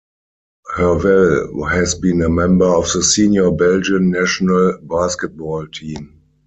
Hervelle has been a member of the senior Belgian national basketball team.